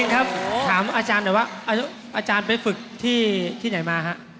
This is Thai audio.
ขออาจารย์ไปฝึกที่ไหนมาฮะ